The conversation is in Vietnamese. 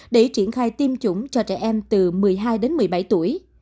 để triển khai tiêm chủng cho trẻ em từ một mươi hai đến một mươi bảy tuổi